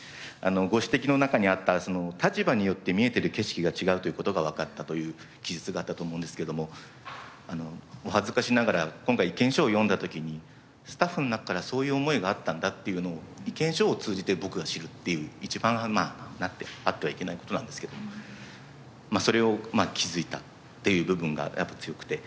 ご指摘の中にあった立場によって見えてる景色が違うという事がわかったという記述があったと思うんですけどもお恥ずかしながら今回意見書を読んだ時にスタッフの中からそういう思いがあったんだというのを意見書を通じて僕が知るという一番あってはいけない事なんですけどもそれを気づいたという部分がやっぱり強くて。